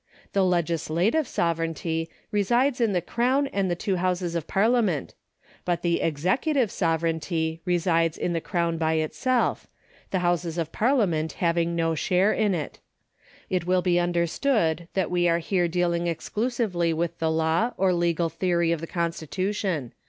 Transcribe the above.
The legislative sovereignty resides in the Crown and the two Houses of Parliament, but the executive sovereignty resides in the Crown by itself, the Houses of Parliament having no share in it. It will be under stood that we are here dealing exclusively with the law or legal theory of the constitution.